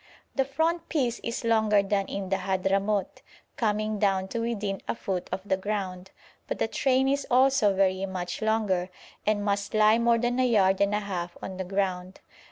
The front piece is longer than in the Hadhramout, coming down to within a foot of the ground, but the train is also very much longer, and must lie more than a yard and a half on the ground.